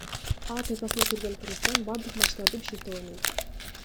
А тайпасына кирген Кыргызстан бардык матчтарды Бишкекте ойнойт.